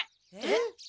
えっ？